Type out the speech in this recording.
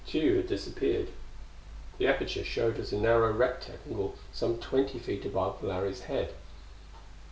Tugh had disappeared. The aperture showed as a narrow rectangle some twenty feet above Larry's head.